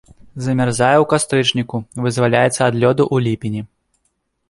Замярзае ў кастрычніку, вызваляецца ад лёду ў ліпені.